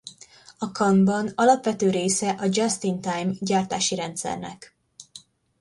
A Kanban alapvető része a Just in Time gyártási rendszernek.